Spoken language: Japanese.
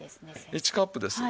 １カップです。